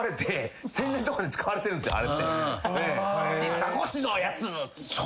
「ザコシのやつ」って。